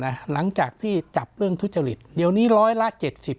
หลังจากที่จับเรื่องทุจริตเดี๋ยวนี้ร้อยละเจ็ดสิบ